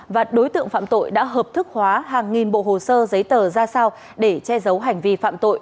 và đối tượng phạm tội đã hợp thức hóa hàng nghìn bộ hồ sơ giấy tờ ra sao để che giấu hành vi phạm tội